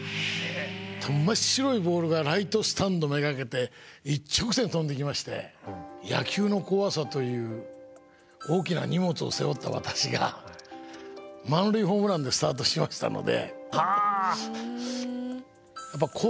真っ白いボールがライトスタンド目がけて一直線に飛んでいきまして野球の怖さという大きな荷物を背負った私が満塁ホームランでスタートしましたので。